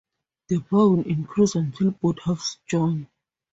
The bar will increase until both halves join.